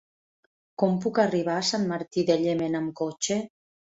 Com puc arribar a Sant Martí de Llémena amb cotxe?